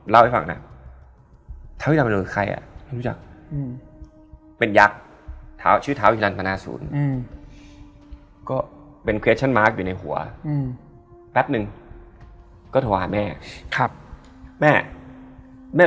แล้วเป็นผู้ร่วมชะตากรรม